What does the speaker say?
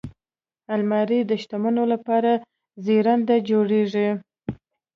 الماري د شتمنو لپاره زرینده جوړیږي